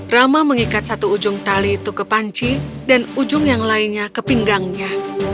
rama mengikat satu ujung tali itu ke panci dan ujung yang lainnya ke pinggangnya